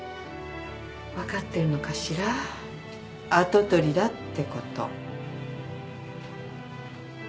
分かってるのかしら跡取りだってこと。